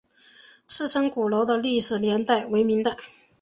赤城鼓楼的历史年代为明代。